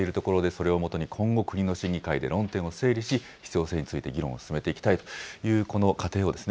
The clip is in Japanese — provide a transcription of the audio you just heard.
それをもとに、今後、国の審議会で論点を整理し、必要性について議論を進めていきたいということです。